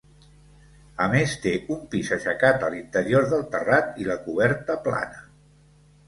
A més, té un pis aixecat a l'interior del terrat i la coberta plana.